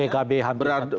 pkb hampir satu